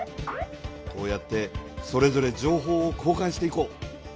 こうやってそれぞれじょうほうを交かんしていこう。